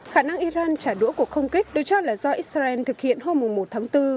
khả năng iran trả đũa cuộc không kích được cho là do israel thực hiện hôm một tháng bốn